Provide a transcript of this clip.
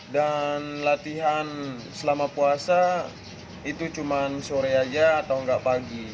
dan latihan selama puasa itu cuma sore aja atau enggak pagi